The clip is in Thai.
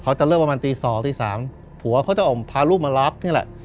เขาจะเริ่มประมาณตี๒ตี๓ผัวเขาจะพาลูกมารับนี่แหละ